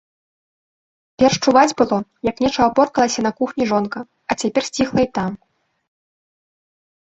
Перш чуваць было, як нечага поркалася на кухні жонка, а цяпер сціхла і там.